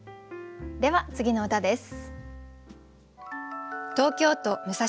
では次の歌です。